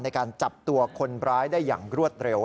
ในการจับตัวคนร้ายได้อย่างรวดเร็ว